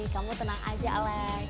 kamu tenang aja alex